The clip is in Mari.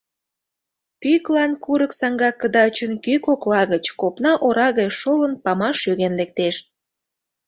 Пӱглан курык саҥга кыдачын, кӱ кокла гыч, копна ора гай шолын, памаш йоген лектеш.